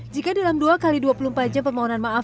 jika dalam dua x dua puluh empat jam permohonan maaf